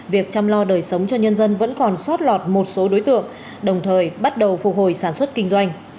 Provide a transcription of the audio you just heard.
việc chăm lo đời sống cho nhân dân vẫn còn sót lọt một số đối tượng đồng thời bắt đầu phục hồi sản xuất kinh doanh